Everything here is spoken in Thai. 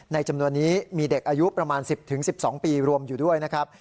จำนวนนี้มีเด็กอายุประมาณ๑๐๑๒ปีรวมอยู่ด้วยนะครับ